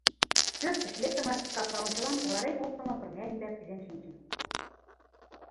Пӧрт гыч лектымат, капка ончылан орален оптымо пырня ӱмбак кӱзен шинчым.